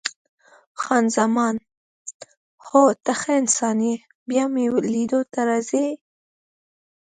خان زمان: هو، ته ښه انسان یې، بیا مې لیدو ته راځې؟